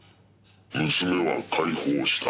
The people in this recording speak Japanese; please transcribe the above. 「娘は解放した」